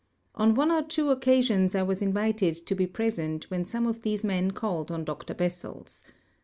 On one or two occasions I was invited to be present when some of these men called on Dr Bessels.